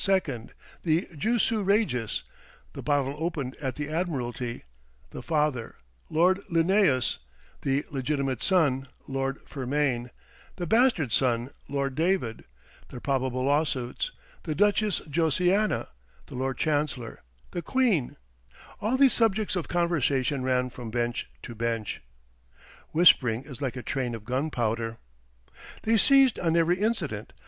the jussu regis; the bottle opened at the Admiralty; the father, Lord Linnæus; the legitimate son, Lord Fermain; the bastard son, Lord David; the probable lawsuits; the Duchess Josiana; the Lord Chancellor; the Queen; all these subjects of conversation ran from bench to bench. Whispering is like a train of gunpowder. They seized on every incident.